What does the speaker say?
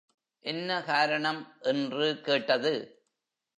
என்ன காரணம்? என்று கேட்டது.